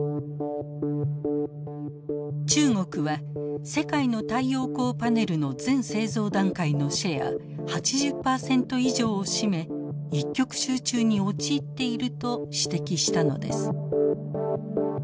中国は世界の太陽光パネルの全製造段階のシェア８０％以上を占め一極集中に陥っていると指摘したのです。